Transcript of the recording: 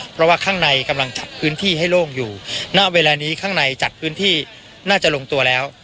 เพราะว่าข้างในกำลังจัดพื้นที่ให้โล่งอยู่ณเวลานี้ข้างในจัดพื้นที่น่าจะลงตัวแล้ว